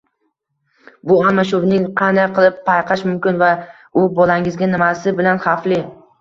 Bu almashuvning qanday qilib payqash mumkin va u bolangizga nimasi bilan xavfli?